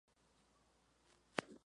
Dispone de un solo acceso.